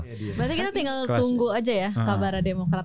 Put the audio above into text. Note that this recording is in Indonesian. berarti kita tinggal tunggu aja ya kabarnya demokrat